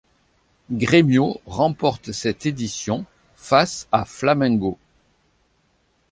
Grêmio remporte cette édition face à Flamengo.